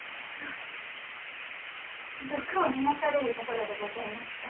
あ毒を飲まされるところでございました。